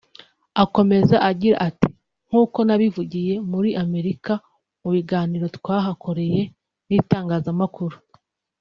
Akomeza agira ati « Nk’uko nabivugiye muri Amerika mu biganiro twahakoreye n’itangazamakuru